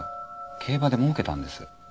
競馬でもうけたんです。